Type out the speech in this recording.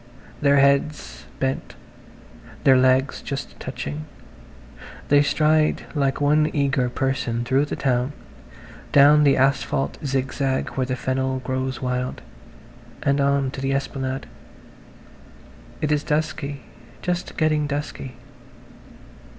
Their heads bent, their legs just touching, they stride like one eager person through the town, down the asphalt zigzag where the fennel grows wild, and on to the esplanade. It is dusky–just getting dusky.